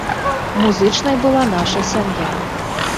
Музычнай была наша сям'я.